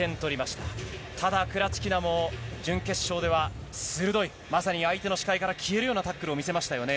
ただ、クラチキナも準決勝では鋭い、まさに相手の視界から消えるようなタックルを見せましたよね。